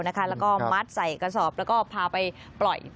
แล้วก็มัดใส่กระสอบแล้วก็พาไปปล่อย